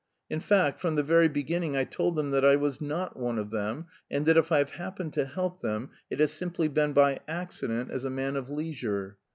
In fact, from the very beginning I told them that I was not one of them, and that if I've happened to help them it has simply been by accident as a man of leisure.